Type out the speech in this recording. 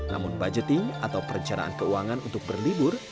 namun budgeting atau perencanaan keuangan untuk berlibur